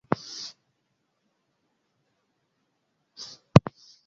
El famoso presentador Renny Ottolina fue el anfitrión del evento.